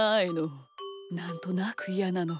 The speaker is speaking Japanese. なんとなくイヤなの。